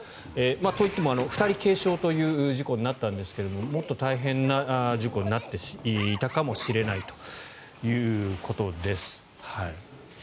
といっても２人軽傷という事故になったんですけれどももっと大変な事故になっていたかもしれないということです。